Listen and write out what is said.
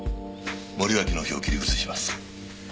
森脇の票を切り崩します。